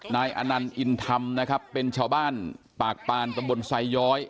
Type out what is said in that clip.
นายอนันต์อินธรรมนะครับเป็นชาวบ้านปากปานตำบลไซย้อย